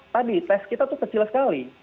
karena tadi tes kita itu kecil sekali